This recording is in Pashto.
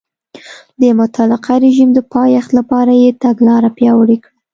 د مطلقه رژیم د پایښت لپاره یې تګلاره پیاوړې کړه.